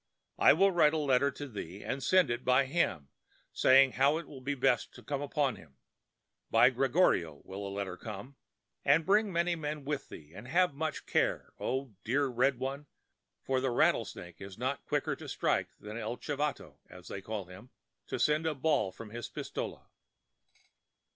I will write a letter to thee and send it by him, saying how it will be best to come upon him. By Gregorio will the letter come. And bring many men with thee, and have much care, oh, dear red one, for the rattlesnake is not quicker to strike than is 'El Chivato,' as they call him, to send a ball from his pistola."